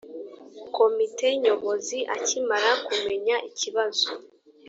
komite nyobozi akimara kumenya ikibazo